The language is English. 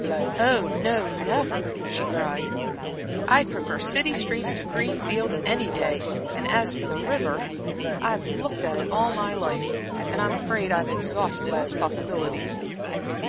"Oh, no, never," she cried. "I'd prefer city streets to green fields any day, and as for the river I've looked at it all my life, and I'm afraid I've exhausted its possibilities."